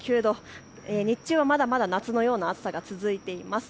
日中はまだまだ夏のような暑さが続いています。